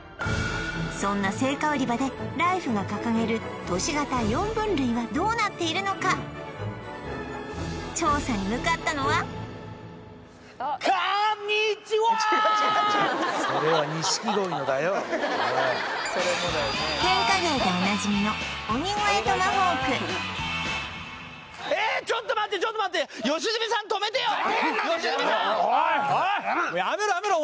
そんな青果売り場でライフが掲げる都市型４分類はどうなっているのか調査に向かったのはケンカ芸でおなじみのえっちょっと待ってちょっと待ってふざけんなてめえ！